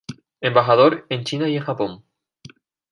Embajador en China y en Japón.